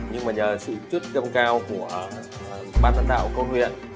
nhưng mà nhờ sự chút giam cao của ban lãnh đạo công huyện